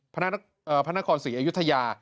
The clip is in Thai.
พระนครศรีอยุธยา